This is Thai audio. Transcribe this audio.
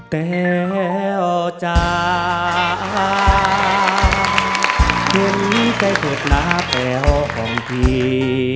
แต๊วจ้านเย็นนี้ก็กฏนะแต๊วของที